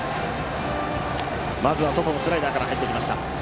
まずは外のスライダーから入ってきました。